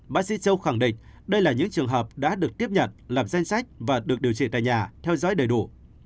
bác sĩ châu khẳng định đây là những trường hợp đã được tiếp nhận lập danh sách và được điều trị tại nhà theo dõi đầy đủ